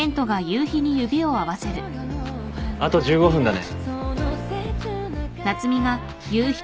あと１５分だね。